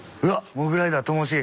モグライダーともしげ。